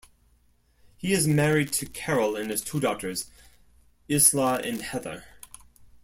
He is married to Carol and has two daughters, Isla and Heather.